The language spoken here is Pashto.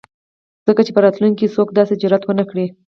ځکه چې په راتلونکي ،کې څوک داسې جرات ونه کړي.